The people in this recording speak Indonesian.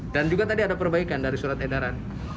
dan juga tadi ada perbaikan dari surat edaran